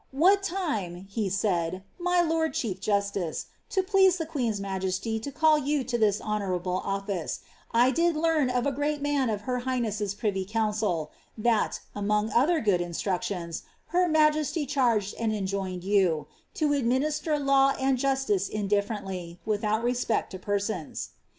What time," he said, my lord chiof jusiice, it pleased the queen*s majesty to call you to this honourable o/fice, I did learn of a great man of her highnesses privy council, that, among other good instructions, her majesty charged and enjoined you, ^ to administer law and justice indif ferently, without respect to persons.'